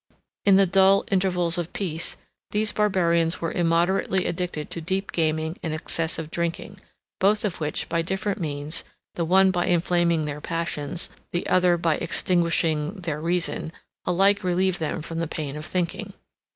In the dull intervals of peace, these barbarians were immoderately addicted to deep gaming and excessive drinking; both of which, by different means, the one by inflaming their passions, the other by extinguishing their reason, alike relieved them from the pain of thinking.